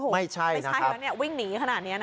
ไม่ใช่ไม่ใช่แล้วเนี่ยวิ่งหนีขนาดนี้นะ